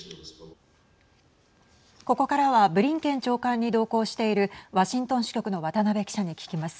ここからはブリンケン長官に同行しているワシントン支局の渡辺記者に聞きます。